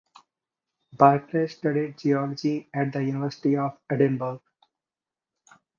Barclay studied geology at the University of Edinburgh.